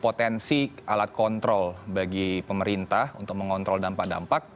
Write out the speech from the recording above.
potensi alat kontrol bagi pemerintah untuk mengontrol dampak dampak